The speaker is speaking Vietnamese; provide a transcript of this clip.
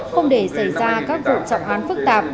không để xảy ra các vụ trọng án phức tạp